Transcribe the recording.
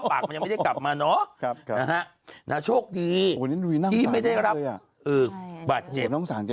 ปากมันยังไม่ได้กลับมาเนอะนะฮะนะฮะโชคดีที่ไม่ได้รับเออบาดเจ็บนะครับ